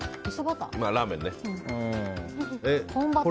ラーメンね。